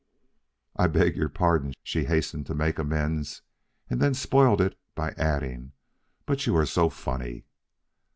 "I beg your pardon," she hastened to make amends, and then spoiled it by adding, "but you are so funny."